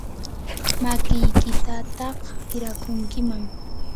makiykitataq hirakunkiman.